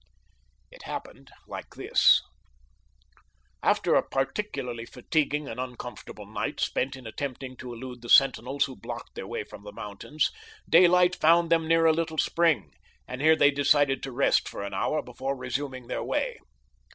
It happened like this: After a particularly fatiguing and uncomfortable night spent in attempting to elude the sentinels who blocked their way from the mountains, daylight found them near a little spring, and here they decided to rest for an hour before resuming their way.